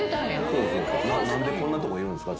そうそう何でこんなとこいるんですか。